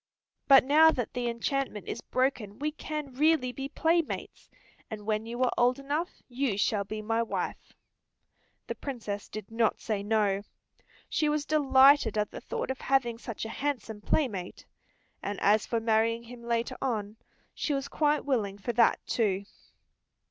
But now that the enchantment is broken we can really be playmates, and when you are old enough you shall be my wife." The Princess did not say no. She was delighted at the thought of having such a handsome playmate. And as for marrying him later on, she was quite willing for that, too.